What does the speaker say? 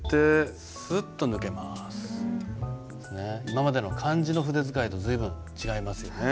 今までの漢字の筆使いと随分違いますよね。